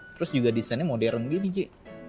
terus juga desainnya modern gini je